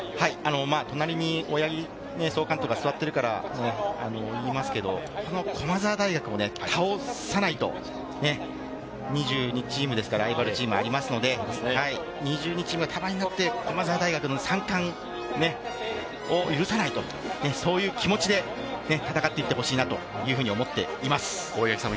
隣りに大八木総監督が座っているから言いますけれども、この駒澤大学を倒さないと、２２チームですから、ライバルチームありますので、２２チームが駒澤大学の三冠を許さないと、そういう気持ちで戦っていってほしいなというふうに思っています。